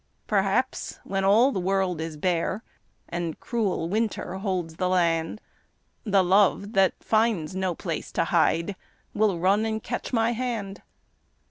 Perhaps when all the world is bare And cruel winter holds the land, The Love that finds no place to hide Will run and catch my hand.